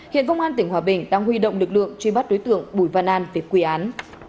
hiện công an tỉnh hòa bình đang huy động lực lượng truy bắt đối tượng bùi văn an về quy án